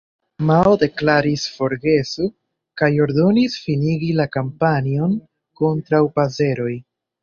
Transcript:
Mao deklaris "forgesu", kaj ordonis finigi la kampanjon kontraŭ paseroj.